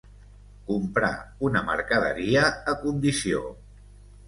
Comprar una mercaderia a condició.